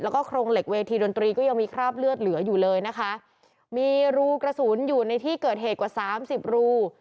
แล้วก็โครงเหล็กเวทีดนตรีก็ยังมีคราบเลือดเหลืออยู่เลยนะคะมีรูกระสุนอยู่ในที่เกิดเหตุกว่าสามสิบรู